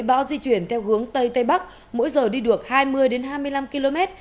dự báo di chuyển theo hướng tây tây bắc mỗi giờ đi được hai mươi hai mươi năm km